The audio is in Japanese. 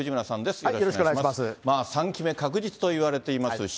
３期目確実といわれています